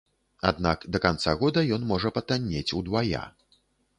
Аднак да канца года ён можа патаннець удвая.